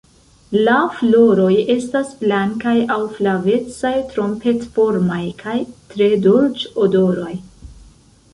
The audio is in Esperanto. La floroj estas blankaj aŭ flavecaj, trompet-formaj kaj tre dolĉ-odoraj.